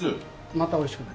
また美味しくなる。